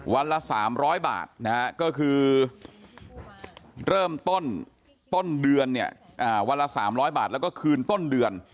วันละ๓๐๐บาทนะฮะก็คือเริ่มต้นต้นเดือนเนี่ยวันละ๓๐๐บาทแล้วก็คืนต้นเดือน